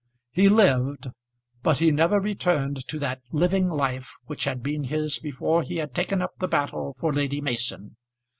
He lived, but he never returned to that living life which had been his before he had taken up the battle for Lady Mason.